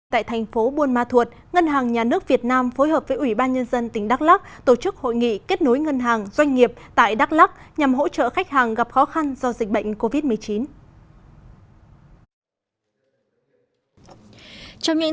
tại thành phố buôn ma thuột ngân hàng nhà nước việt nam phối hợp với ủy ban nhân dân tỉnh đắk lắc tổ chức hội nghị kết nối ngân hàng doanh nghiệp tại đắk lắc nhằm hỗ trợ khách hàng gặp khó khăn do dịch bệnh covid một mươi chín